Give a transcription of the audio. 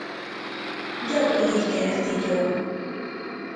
Gyakori kerti gyom.